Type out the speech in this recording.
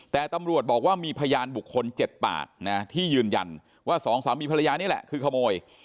แต่ตำรวจบอกว่ามีพยานบุคคล๗ปากนะที่ยืนยันว่าสองสามีภรรยานี่แหละคือขโมย